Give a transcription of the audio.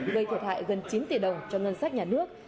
gây thiệt hại gần chín tỷ đồng cho ngân sách nhà nước